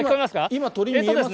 今鳥見えます？